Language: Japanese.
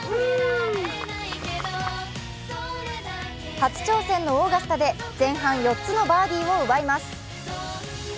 初挑戦のオーガスタで前半４つのバーディーを奪います。